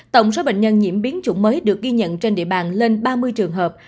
tổng số bệnh nhân nhiễm biến chủng mới được ghi nhận trên địa bàn lên ba mươi trường hợp